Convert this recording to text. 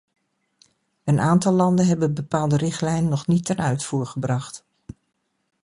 Een aantal landen hebben bepaalde richtlijnen nog niet ten uitvoer gebracht.